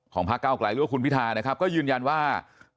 ของภาคเก้ากลายเรียกว่าคุณทรมานพิธานะครับก็ยืนยันว่า